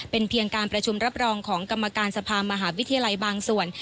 เป็นเพียงการประชุมรับรองของกรรมการสภามหาวิทยาลัยบางส่วน